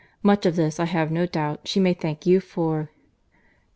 —Much of this, I have no doubt, she may thank you for."